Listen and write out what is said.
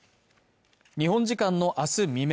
日本時間のあす未明